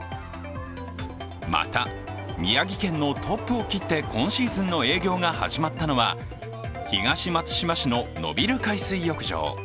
また、宮城県のトップを切って今シーズンの営業が始まったのは東松島市の野蒜海水浴場。